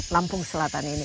lampung selatan ini